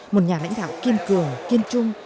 một nhà lãnh đạo kiên cường kiên trung